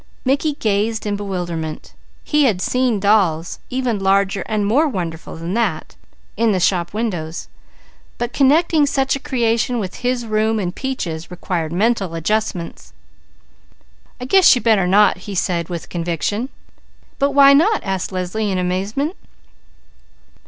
Mickey gazed in bewilderment. He had seen dolls, even larger and more wonderful than that, in the shop windows, but connecting such a creation with his room and Peaches required mental adjustments. "I guess you better not," he said with conviction. "But why not?" asked Leslie in amazement.